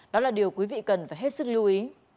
đó là điều quý vị cần phải hết sức lưu ý